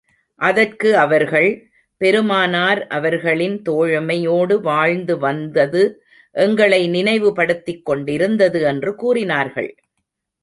அதற்கு அவர்கள், பெருமானார் அவர்களின் தோழமையோடு வாழ்ந்து வந்தது எங்களை நினைவு படுத்திக் கொண்டிருந்தது என்று கூறினார்கள்.